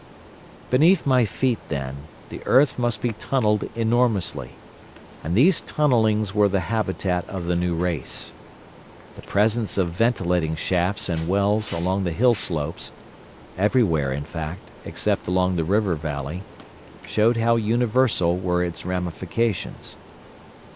"Beneath my feet, then, the earth must be tunnelled enormously, and these tunnellings were the habitat of the New Race. The presence of ventilating shafts and wells along the hill slopes—everywhere, in fact, except along the river valley—showed how universal were its ramifications.